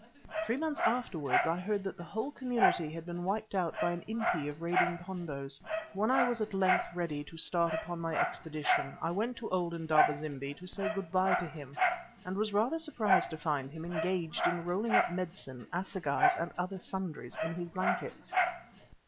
Three months afterwards I heard that the whole community had been wiped out by an Impi of raiding Pondos. When I was at length ready to start upon my expedition, I went to old Indaba zimbi to say good bye to him, and was rather surprised to find him engaged in rolling up medicine, assegais, and other sundries in his blankets.